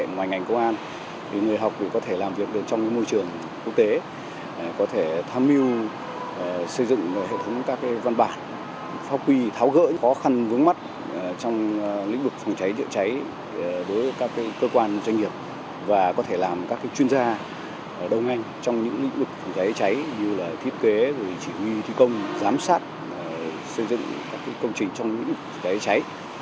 ngoài ngành công an người học có thể làm việc trong môi trường quốc tế có thể tham mưu xây dựng hệ thống các văn bản pháo quy tháo gỡ có khăn vướng mắt trong lĩnh vực phòng cháy chữa cháy với các cơ quan doanh nghiệp và có thể làm các chuyên gia đồng anh trong những lĩnh vực phòng cháy cháy như thiết kế chỉ huy thi công giám sát xây dựng các công trình trong lĩnh vực phòng cháy cháy